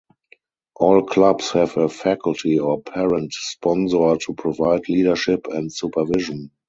All clubs have a faculty or parent sponsor to provide leadership and supervision.